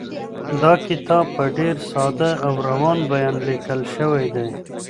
دا کتاب په ډېر ساده او روان بېان ليکل شوی دی.